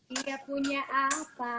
dia punya apa